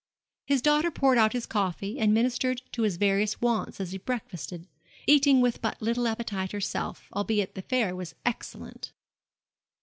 His daughter poured out his coffee, and ministered to his various wants as he breakfasted, eating with but little appetite herself, albeit the fare was excellent.